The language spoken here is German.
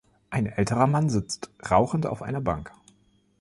Eine älterer Mann sitzt rauchend auf einer Bank.